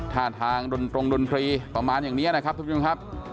ท่าทางดนตรงดนตรีประมาณอย่างนี้นะครับทุกผู้ชมครับ